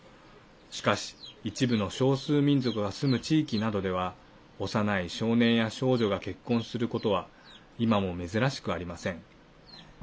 しかし、一部の少数民族が住む地域などでは幼い少年や少女が結婚することは今も珍しくありません。